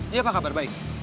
dia apa kabar baik